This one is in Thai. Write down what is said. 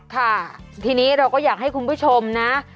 ค่ะทีนี้เราก็อยากให้คุณผู้ชมนะ